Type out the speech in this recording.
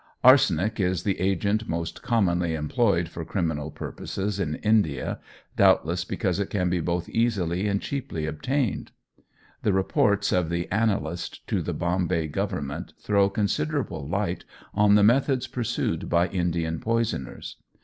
Arsenic is the agent most commonly employed for criminal purposes in India, doubtless because it can be both easily and cheaply obtained. The reports of the analyst to the Bombay Government throw considerable light on the methods pursued by Indian poisoners.